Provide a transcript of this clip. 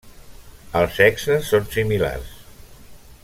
Els sexes són similars.